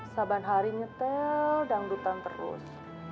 saban harinya tel dangdutan terus